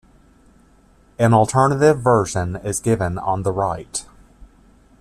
An alternative version is given on the right.